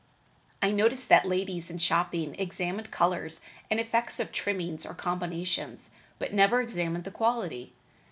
I noticed that ladies in shopping examined colors and effects of trimmings or combinations, but never examined the quality.